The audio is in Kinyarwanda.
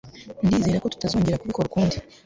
Ndizera ko tutazongera kubikora ukundi.